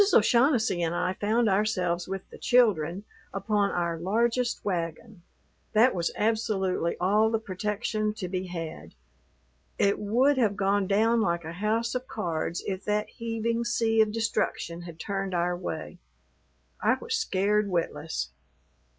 O'Shaughnessy and I found ourselves with the children upon our largest wagon; that was absolutely all the protection to be had. It would have gone down like a house of cards if that heaving sea of destruction had turned our way. I was scared witless. Mrs.